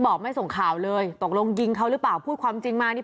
บอกไม่ส่งข่าวเลยตกลงยิงเขาหรือเปล่าพูดความจริงมานี่